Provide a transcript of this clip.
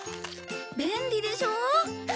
便利でしょう？